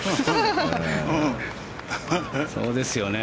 そうですよね。